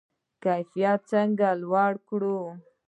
کیفیت څنګه لوړ کړو؟